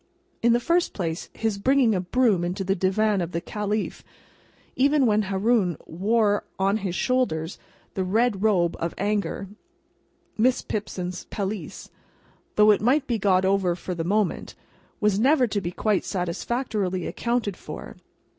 In the first place, his bringing a broom into the Divan of the Caliph, even when Haroun wore on his shoulders the red robe of anger (Miss Pipson's pelisse), though it might be got over for the moment, was never to be quite satisfactorily accounted for.